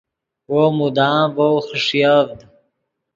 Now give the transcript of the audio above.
وو مدام ڤؤ خݰیڤد